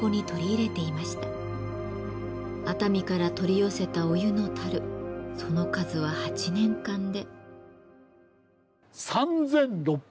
熱海から取り寄せたお湯の樽その数は８年間で。